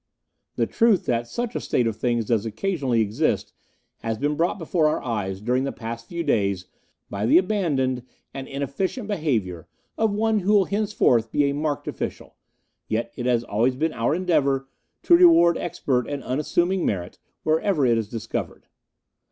The truth that such a state of things does occasionally exist has been brought before our eyes during the past few days by the abandoned and inefficient behaviour of one who will henceforth be a marked official; yet it has always been our endeavour to reward expert and unassuming merit, whenever it is discovered.